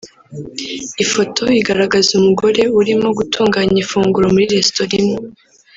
Ifoto igaragaza umugore urimo gutunganya ifunguro muri resitora imwe